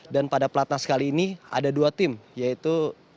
dan pada pelatnas kali ini ada dua tim yaitu